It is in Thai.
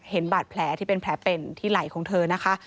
เห็นบาดแผลที่เป็นแผลเป็นที่ไหล่ของเธอนะคะ